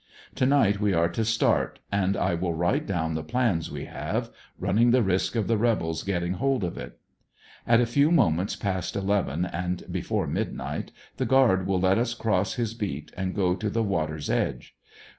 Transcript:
To night we are to start, and I will write down the plans we haye, running the risk of the rebels getting hold of it. At a few moments past eleven and before midnight the guard will let us cross his beat and go to the water's edge.